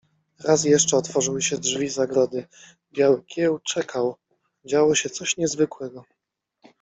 Raz jeszcze otworzyły się drzwi zagrody. Biały Kieł czekał. Działo się coś niezwykłego.